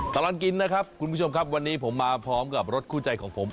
ตลอดกินนะครับคุณผู้ชมครับวันนี้ผมมาพร้อมกับรถคู่ใจของผม